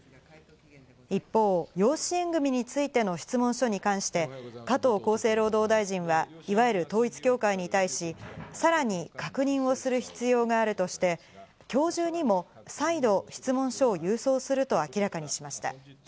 一方、養子縁組についての質問書に関して加藤厚生労働大臣はいわゆる統一教会に対し、さらに確認をする必要があるとして今日中にも再度、質問書を郵送すると明らかにしました。